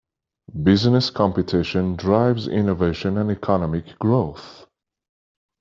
Business competition drives innovation and economic growth.